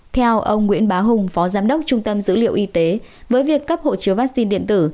theo ông nguyễn bá hùng phó giám đốc trung tâm dữ liệu y tế với việc cấp hộ chiếu vaccine điện tử